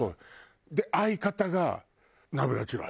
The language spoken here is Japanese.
で相方がナブラチロワ。